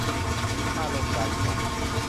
อารมณ์ - ดาริกา